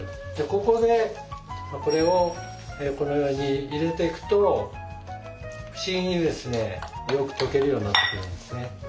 ここでこれをこのように入れていくと不思議にですねよく溶けるようになってくるんですね。